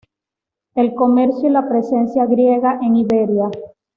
El comercio y la presencia griega en Iberia".